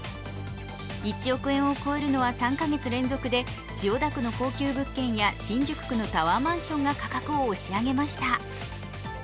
１億円を超えるのは３か月連続で千代田区の高級物件や新宿区のタワーマンションが価格を押し上げました。